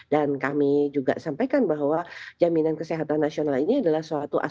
dan kami juga sampaikan bahwa jaminan kesehatan nasional ini adalah suatu asuransi